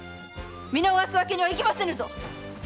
見逃すわけにはいきませぬぞ！